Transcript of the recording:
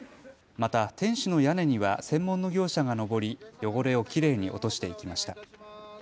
また天守の屋根には専門の業者が登り、汚れをきれいに落としていきました。